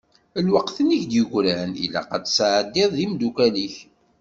Lweqt-nni i k-d-yegran, ilaq ad t-tsεeddiḍ d yimdukal-ik.